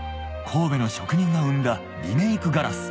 神戸の職人が生んだリメークガラス